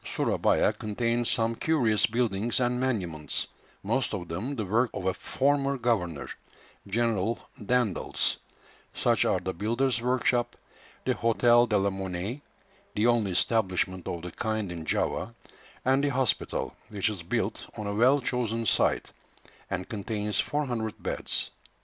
Surabaya contains some curious buildings and monuments, most of them the work of a former governor, General Daendels; such are the "Builder's Workshop," the "Hôtel de la Monnaie" (the only establishment of the kind in Java), and the hospital, which is built on a well chosen site, and contains 400 beds.